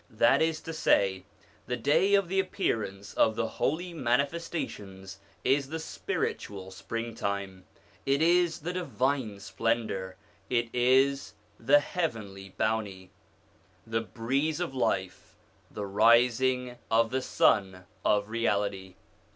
That is to say, the day of the appearance of the Holy Manifestations is the spiritual springtime, it is the divine splendour, it is the heavenly bounty, ON THE INFLUENCE OF THE PROPHETS 85 the breeze of life, the rising of the Sun of Reality.